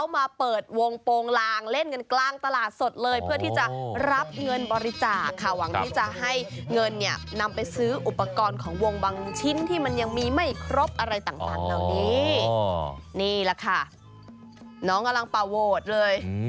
ไม่ครบอะไรต่างแล้วนี่นี่แหละค่ะน้องกำลังปะโวดเลย